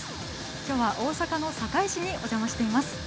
きょうは大阪・堺市にお邪魔しています。